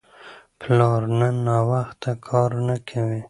پلار نن ناوخته کار نه کوي.